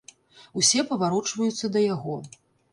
Усе паварочваюцца да яго.